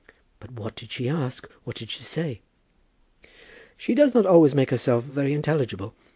"But what did she ask? What did she say?" "She does not always make herself very intelligible.